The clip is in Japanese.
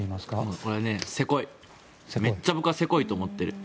これはめっちゃせこいと思っている。